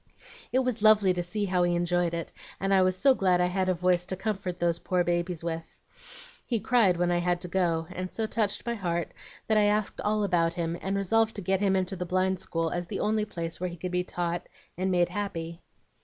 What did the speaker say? It was lovely to see how he enjoyed it, and I was so glad I had a voice to comfort those poor babies with. He cried when I had to go, and so touched my heart that I asked all about him, and resolved to get him into the Blind School as the only place where he could be taught and made happy."